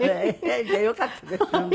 じゃあよかったですよね。